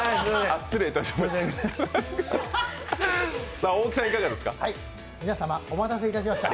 失礼いたしました。